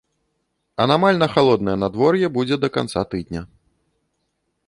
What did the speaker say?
Анамальна халоднае надвор'е будзе да канца тыдня.